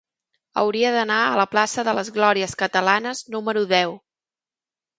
Hauria d'anar a la plaça de les Glòries Catalanes número deu.